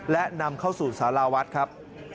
และนำเข้าสู่สาราวัดครับ